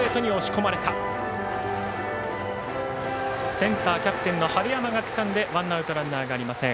センターキャプテンの春山がつかんでワンアウトランナーがありません。